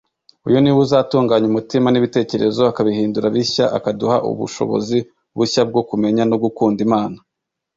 . Uyu niwe uzatunganya umutima n’ibitekerezo akabihindura bishya, akaduha ubushobozi bushya bwo kumenya no gukunda Imana